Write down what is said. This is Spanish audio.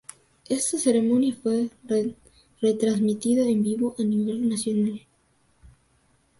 Esta ceremonia fue retransmitida en vivo a nivel nacional.